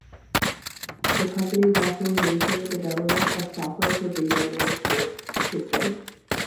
The company is also engaged in the development of software for video management system.